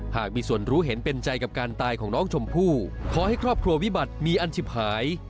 หากมีส่วนรู้เห็นเป็นใจกับการตายของน้องชมพู่ขอให้ครอบครัววิบัติมีอันชิบหาย